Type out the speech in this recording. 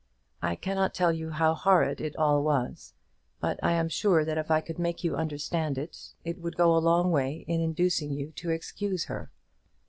I cannot tell you how horrid it all was, but I am sure that if I could make you understand it, it would go a long way in inducing you to excuse her.